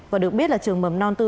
và được biết là trường mầm non tư